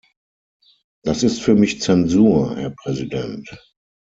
Das ist für mich Zensur, Herr Präsident.